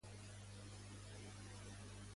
Ho ha recriminat el cupaire a la Generalitat?